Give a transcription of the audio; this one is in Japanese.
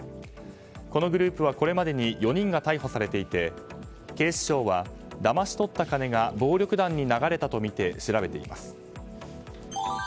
このグループはこれまでに４人が逮捕されていて警視庁は、だまし取った金が暴力団に流れたとみて調べています。